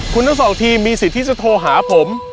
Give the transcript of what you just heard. คุณทั้งสองทีมมีสิทธิ์ที่จะโทรหาผม